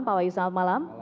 bapak wayu selamat malam